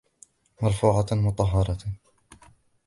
مَرْفُوعَةٍ مُطَهَّرَةٍ